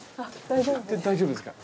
大丈夫ですか？